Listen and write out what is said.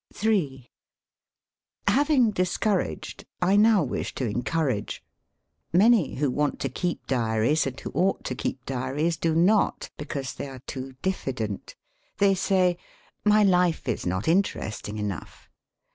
m Having discouraged, I now wish to encourage. Many who want to keep diaries and who ought to keep diaries do not, because they are too diffident. They say : "My life is not interesting enough."